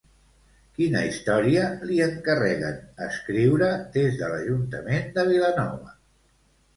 Quina història li encarreguen escriure des de l'Ajuntament de Vilanova?